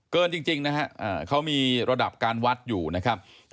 จริงนะฮะเขามีระดับการวัดอยู่นะครับ